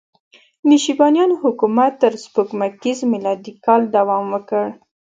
د شیبانیانو حکومت تر سپوږمیز میلادي کاله دوام وکړ.